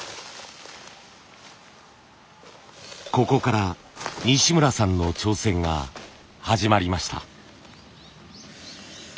ここから西村さんの挑戦が始まりました。